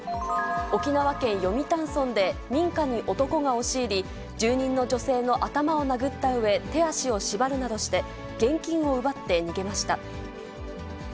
沖縄県読谷村で民家に男が押し入り、住人の女性の頭を殴ったうえ、手足を縛るなどして現金を奪って逃げました。